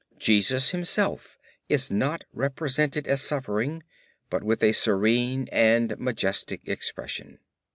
Jesus himself is not represented as suffering, but with a serene and majestic expression.